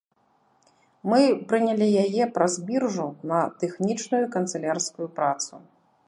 Мы прынялі яе праз біржу на тэхнічную канцылярскую працу.